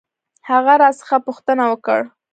هغه راڅخه پوښتنه وکړ.